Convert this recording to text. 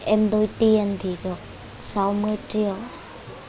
em đôi tiên thì được sáu mươi triệu